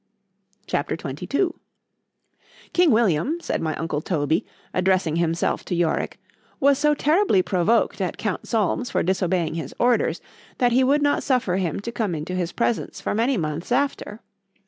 C H A P. XXII KING William, said my uncle Toby, addressing himself to Yorick, was so terribly provoked at count Solmes for disobeying his orders, that he would not suffer him to come into his presence for many months after.